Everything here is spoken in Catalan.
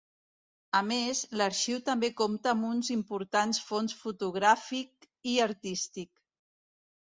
A més, l'arxiu també compta amb uns importants fons fotogràfic i artístic.